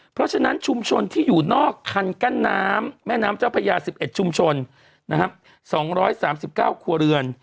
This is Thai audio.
เพราะฉะนั้นชุมชนที่อยู่นอกคันกั้นน้ำแม่น้ำเจ้าพญา๑๑ชุมชน๒๓๙ครัวเรือน